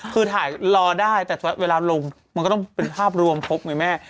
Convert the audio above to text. คือถ่ายรอได้แต่เวลาลงมันก็ต้องเป็นภาพรวมครบไงแม่